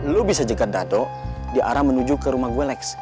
lo bisa jekat dado di arah menuju ke rumah gue lex